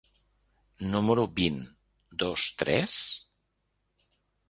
Número vint, dos-tres?